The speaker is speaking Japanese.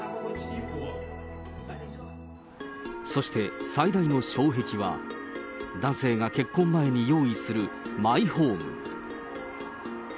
そして、最大の障壁は、男性が結婚前に用意するマイホーム。